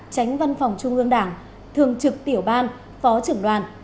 tránh văn phòng trung ương đảng thường trực tiểu ban phó trưởng đoàn